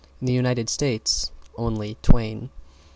In the United States, only Twain.